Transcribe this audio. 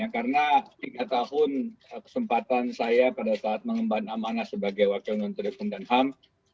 karena tiga tahun kesempatan saya pada saat mengemban amanah sebagai wakil menteri pundang ham